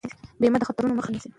بیمه د خطرونو مخه نیسي.